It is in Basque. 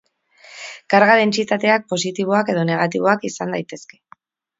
Karga-dentsitateak positiboak edo negatiboak izan daitezke.